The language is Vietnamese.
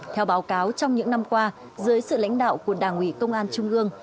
theo báo cáo trong những năm qua dưới sự lãnh đạo của đảng ủy công an trung ương